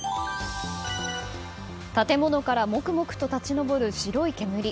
建物からもくもくと立ち上る白い煙。